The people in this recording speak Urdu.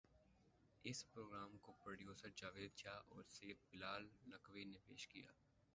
اس پروگرام کو پروڈیوسر جاوید شاہ اور سید بلا ل نقوی نے پیش کیا